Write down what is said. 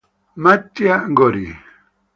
Mattia Gori